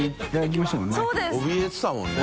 おびえてたもんね。